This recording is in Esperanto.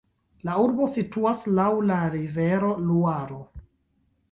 La urbo situas laŭ la rivero Luaro.